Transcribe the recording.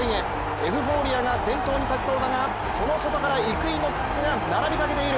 エフフォーリアが先頭に立ちそうだがその外からイクイノックスが並びかけている。